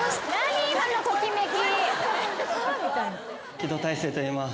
木戸大聖といいます。